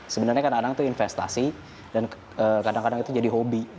sebenarnya kan kadang itu investasi dan kadang kadang itu jadi hobi